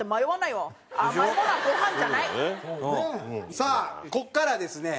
さあここからですね